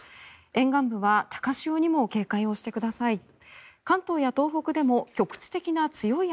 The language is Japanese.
沿岸部は高潮にも警戒してください。